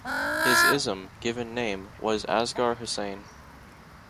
His ism (given name) was Asghar Hussain.